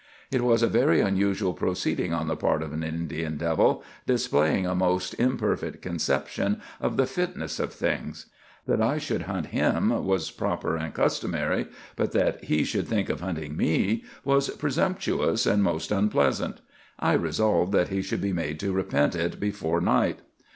It was a very unusual proceeding on the part of an Indian devil, displaying a most imperfect conception of the fitness of things. That I should hunt him was proper and customary, but that he should think of hunting me was presumptuous and most unpleasant. I resolved that he should be made to repent it before night.